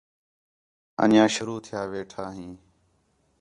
انڄیاں شروع تِھیا ویٹھاں ہیں